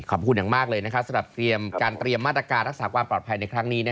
ขอบคุณอย่างมากเลยสำหรับเตรียมการเตรียมมาตรการรักษาความปลอดภัยในครั้งนี้